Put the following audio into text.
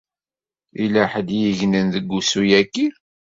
Yella ḥedd i yegnen ɣef wussu-yaki.